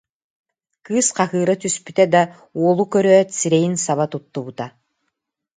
Кыыс хаһыыра түспүтэ да, уолу көрөөт, сирэйин саба туттубута